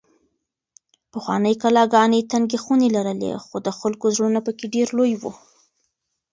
پخوانۍ کلاګانې تنګې خونې لرلې خو د خلکو زړونه پکې ډېر لوی وو.